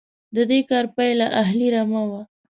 د دې کار پایله اهلي رمه وه.